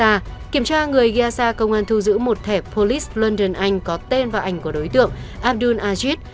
mà kiểm tra người ghiasi công an thu giữ một thẻ police london anh có tên và ảnh của đối tượng abdul ajit